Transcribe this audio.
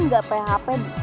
gak pake hape